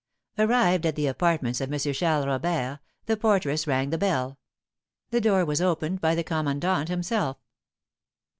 Arrived at the apartments of M. Charles Robert, the porteress rang the bell; the door was opened by the commandant himself.